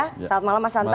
selamat malam mas hanta